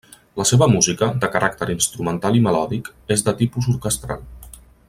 La seva música, de caràcter instrumental i melòdic, és de tipus orquestral.